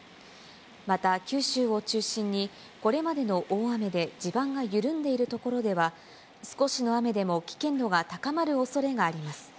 また九州を中心に、これまでの大雨で地盤が緩んでいる所では、少しの雨でも危険度が高まるおそれがあります。